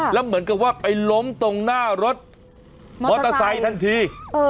แล้วเหมือนกับว่าไปล้มตรงหน้ารถมอเตอร์ไซค์ทันที